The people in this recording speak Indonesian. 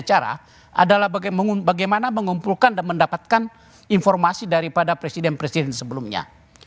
cara adalah bagaimana mengumpulkan dan mendapatkan informasi daripada presiden presiden sebelumnya